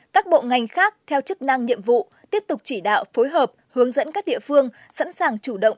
các bộ ngành khác theo chức năng nhiệm vụ tiếp tục chỉ đạo phối hợp hướng dẫn các địa phương sẵn sàng chủ động